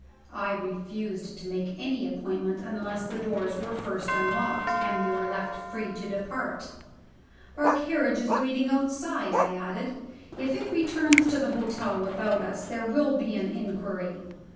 I refused to make any appointment unless the doors were first unlocked, and we were left free to depart. "Our carriage is waiting outside," I added. "If it returns to the hotel without us, there will be an inquiry."